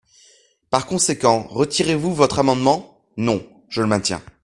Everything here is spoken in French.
Par conséquent, retirez-vous votre amendement ? Non, je le maintiens.